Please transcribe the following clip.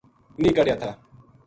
نیہہ کَڈھیا تھا